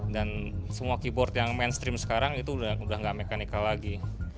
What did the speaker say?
dan semua keyboard yang mainstream sekarang itu udah gak mechanical lagi